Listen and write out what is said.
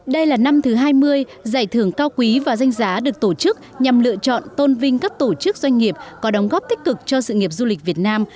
đây là năm thứ hai mươi giải thưởng cao quý và danh giá được tổ chức nhằm lựa chọn tôn vinh các tổ chức doanh nghiệp có đóng góp tích cực cho sự nghiệp du lịch việt nam